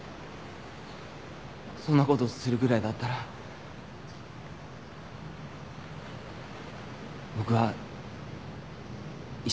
そんなことするぐらいだったら僕は医者を辞めます。